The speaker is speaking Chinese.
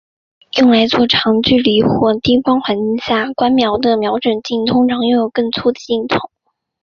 用来做长距离或低光环境下观瞄的瞄准镜通常拥有更粗的镜筒。